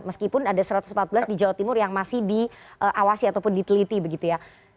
meskipun ada satu ratus empat belas di jawa timur yang masih diawasi ataupun diteliti begitu ya